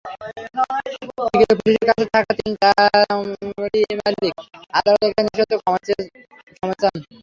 বিকেলে পুলিশের কাছে থাকা তিন ট্যানারিমালিক আদালতের কাছে নিঃশর্ত ক্ষমা চেয়ে সময় চান।